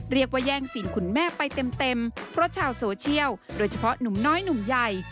เรียกว่าแย่งซีนคุณแม่ไปเต็มเพราะชาวโซเชียลโดยเฉพาะหนุ่มน้อยหนุ่มใหญ่